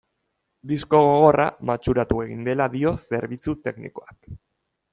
Disko gogorra matxuratu egin dela dio zerbitzu teknikoak.